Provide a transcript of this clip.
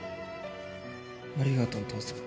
ありがとうお父さん。